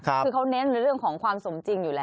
คือเขาเน้นในเรื่องของความสมจริงอยู่แล้ว